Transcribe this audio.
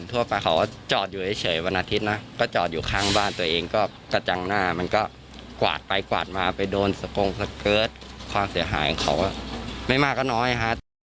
ทั่วไปเขาก็จอดอยู่เฉยวันอาทิตย์นะก็จอดอยู่ข้างบ้านตัวเองก็กระจังหน้ามันก็กวาดไปกวาดมาไปโดนสกงสเกิร์ตความเสียหายของเขาไม่มากก็น้อยฮะ